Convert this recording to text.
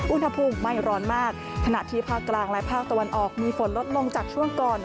อุณหภูมิไม่ร้อนมากขณะที่ภาคกลางและภาคตะวันออกมีฝนลดลงจากช่วงก่อน